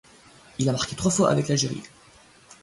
Il a marqué trois fois avec l'Algérie.